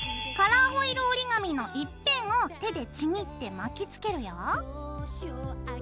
カラーホイル折り紙の一辺を手でちぎって巻きつけるよ。